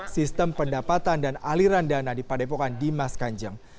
sistem pendapatan dan aliran dana di padepokan dimas kanjeng